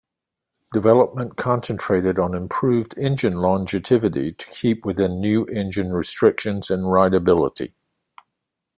Development concentrated on improving engine longevity, to keep within new engine restrictions, and rideability.